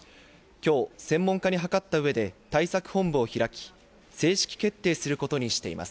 今日、専門家にはかった上で対策本部を開き、正式決定することにしています。